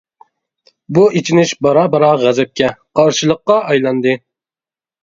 بۇ ئېچىنىش بارا-بارا غەزەپكە، قارشىلىققا ئايلاندى.